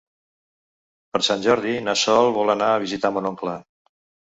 Per Sant Jordi na Sol vol anar a visitar mon oncle.